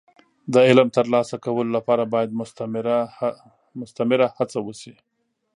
د علم د ترلاسه کولو لپاره باید مستمره هڅه وشي.